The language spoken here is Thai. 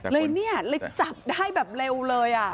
เลยจับได้แบบเร็วเลย